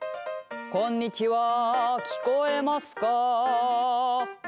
「こんにちは聞こえますか」